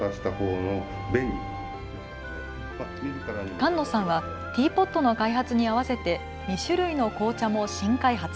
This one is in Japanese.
菅野さんはティーポットの開発に合わせて２種類の紅茶も新開発。